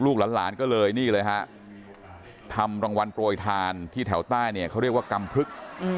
หลานก็เลยนี่เลยฮะทำรางวัลโปรยทานที่แถวใต้เนี่ยเขาเรียกว่ากำพลึก